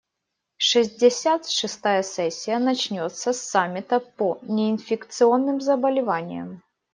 Шестьдесят шестая сессия начнется с саммита по неинфекционным заболеваниям.